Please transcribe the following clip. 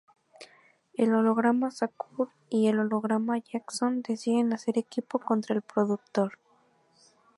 El holograma Shakur y el holograma Jackson deciden hacer equipo contra el productor.